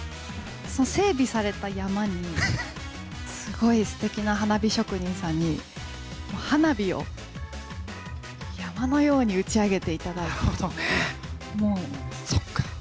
その整備された山に、すごいすてきな花火職人さんに、花火を山のように打ち上げていただきたい。